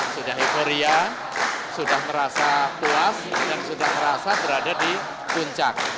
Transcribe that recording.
sudah euforia sudah merasa puas dan sudah merasa berada di puncak